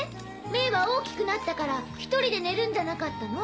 メイは大きくなったから１人で寝るんじゃなかったの？